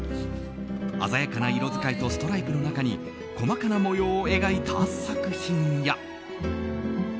鮮やかな色使いとストライプの中に細かな模様を描いた作品や。